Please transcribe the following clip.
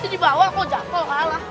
jadi bawah kok jatoh